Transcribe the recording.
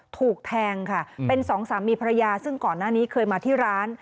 ถูกแทงค่ะเป็นสองสามีภรรยาซึ่งก่อนหน้านี้เคยมาที่ร้าน